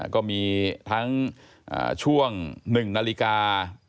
ก็มีทั้งช่วง๑นาฬิกา